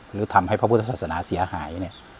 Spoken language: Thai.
หรือทำให้พระพุทธศาสนาเสียหายเนี่ย